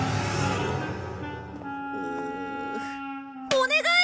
お願い！